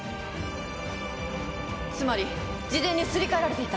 つまり事前にすり替えられていた。